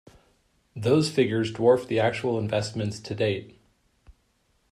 Those figures dwarf the actual investments to date.